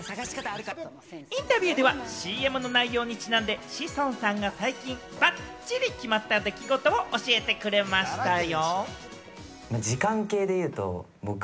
インタビューではＣＭの内容にちなんで志尊さんが最近、ばっちり決まった出来事を教えてくれましたよ。